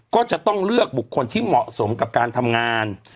ก็จะต้องเลือกบุคคลที่เหมาะสมกับการทำงาน